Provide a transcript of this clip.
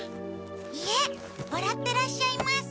いえわらってらっしゃいます。